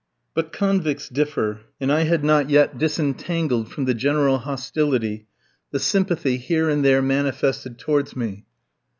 But convicts differ, and I had not yet disentangled from the general hostility the sympathy here and there manifested towards me.